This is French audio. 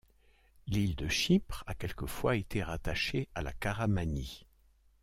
L'île de Chypre a quelquefois été rattachée à la Caramanie.